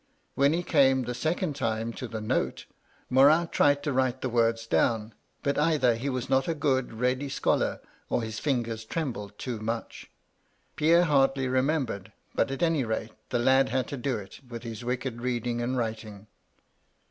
When he came the second time to the note, Morin tried to write the MY LADY LUDLOW. 165 words down; but either he was not a good, ready scholar, or his fingers trembled too much. Pierre hardly remembered, but, at any rate, the lad had to do it, with his wicked reading and writing.